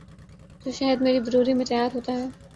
جو شہد مری بروری میں تیار ہوتا ہے۔